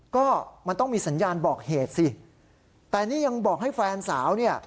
ก็มันต้องมีสัญญาณบอกเหตุสิแต่นี่ยังบอกให้แฟนสาวเนี่ย